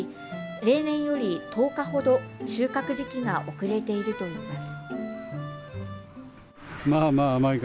例年より１０日ほど収穫時期が遅れているといいます。